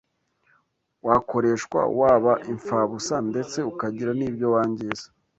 wakoreshwa waba impfabusa ndetse ukagira n’ibyo wangiza